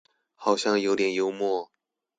好像有點幽默